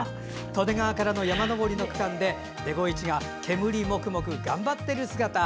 利根川からの山登りの区間でデゴイチが煙モクモク頑張ってる姿